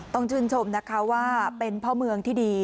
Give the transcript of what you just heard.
ต้องชื่นชมนะคะว่าเป็นพ่อเมืองที่ดี